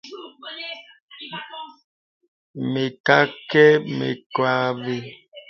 Mə kə kâ , mə kə avə́.